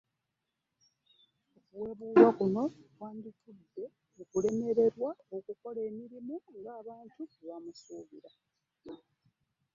Okuweebuulwa kuno kwandivudde mu kulemererwa okukola emirimu ng'abantu bwe bamusuubira.